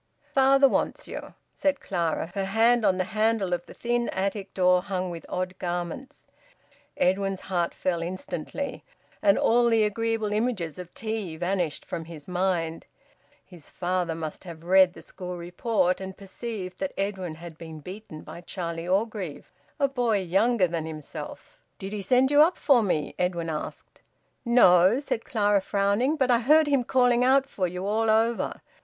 "Father wants you," said Clara, her hand on the handle of the thin attic door hung with odd garments. Edwin's heart fell instantly, and all the agreeable images of tea vanished from his mind. His father must have read the school report and perceived that Edwin had been beaten by Charlie Orgreave, a boy younger than himself! "Did he send you up for me?" Edwin asked. "No," said Clara, frowning. "But I heard him calling out for you all over.